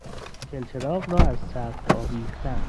چلچراغ را از سقف آویختن